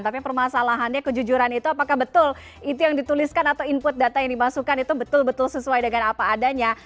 tapi permasalahannya kejujuran itu apakah betul itu yang dituliskan atau input data yang dimasukkan itu betul betul sesuai dengan apa adanya